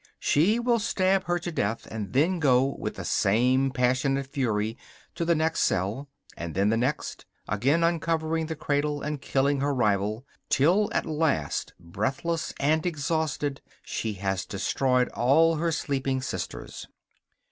She will stab her to death and then go, with the same passionate fury, to the next cell, and then the next, again uncovering the cradle and killing her rival, till at last, breathless and exhausted, she has destroyed all her sleeping sisters.